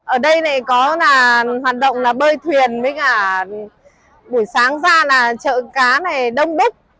ở đây này có là hoạt động là bơi thuyền với cả buổi sáng ra là chợ cá này đông bích